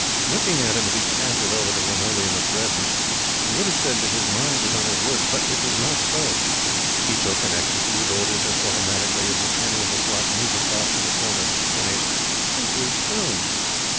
Looking at him as he cantered over the linoleum at Bredin's, you would have said that his mind was on his work. But it was not so. He took and executed orders as automatically as the penny in the slot musical box in the corner took pennies and produced tunes.